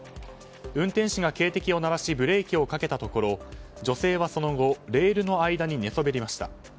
運転士が警笛を鳴らしブレーキをかけたところ女性はその後、レールの間に寝そべりました。